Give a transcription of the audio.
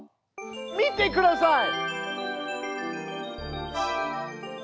見てください！